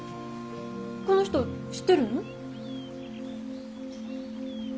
この人知ってるの？